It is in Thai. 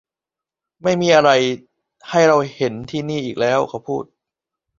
ไม่มีอะไรให้เราเห็นที่นี่อีกแล้วเขาพูด